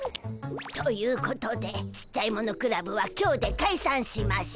ということでちっちゃいものクラブは今日でかいさんしましゅ！